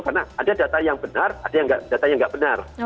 karena ada data yang benar ada yang nggak benar